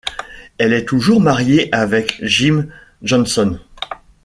Elle est toujours mariée avec Jim Johnson.